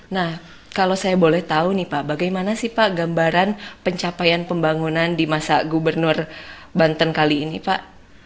nah kalau saya boleh tahu nih pak bagaimana sih pak gambaran pencapaian pembangunan di masa gubernur banten kali ini pak